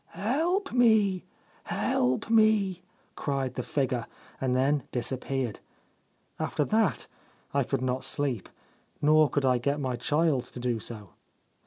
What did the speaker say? " Help me 1 Help me !" cried the figure, and then disappeared. After that I could not sleep ; nor could I get my child to do so.